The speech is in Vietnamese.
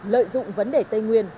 lợi dụng vấn đề tây nguyên